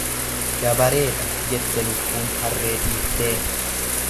Dabareedha jette lukkuun harree dhiittee.